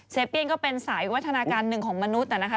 เปี้ยนก็เป็นสายวัฒนาการหนึ่งของมนุษย์นะคะ